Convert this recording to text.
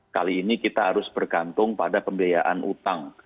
kali ini kita harus bergantung pada pembiayaan utang